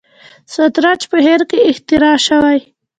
شطرنج په هند کې اختراع شوی.